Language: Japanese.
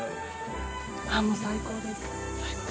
ああもう最高です最高。